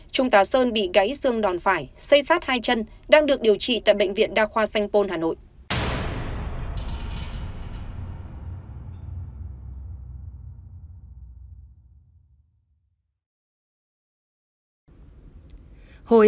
trung tà sơn bị gáy xương đòn phải xây sát hai chân đang được điều trị tại bệnh viện đa khoa xanh pôn hà nội